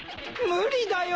無理だよ